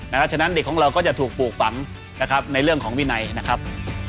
เพราะฉะนั้นเด็กของเราก็จะถูกปลูกฝังนะครับในเรื่องของวินัยนะครับ